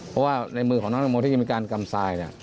เพราะว่าในมือของน้องแต่งโมที่ยังมีการกำสาย